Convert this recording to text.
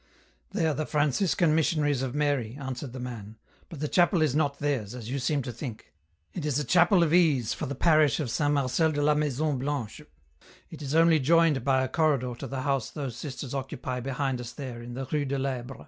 " They are the Franciscan missionaries of Mary," answered the man, " but the chapel is not theirs as you seem to think ; it is a chapel of ease for the parish of St. Marcel de la Maison Blanche : it is only joined by a corridor to the house those sisters occupy behind us there in the Rue de I'Ebre.